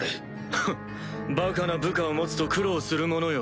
フンっバカな部下を持つと苦労するものよ。